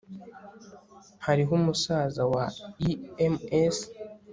hariho umusaza wa ems